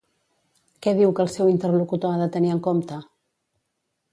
Què diu que el seu interlocutor ha de tenir en compte?